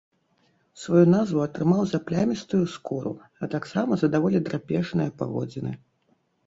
Сваю назву атрымаў за плямістую скуру, а таксама за даволі драпежныя паводзіны.